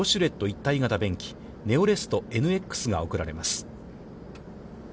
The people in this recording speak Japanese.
一体形便器、ネオレストＮＸが贈られます。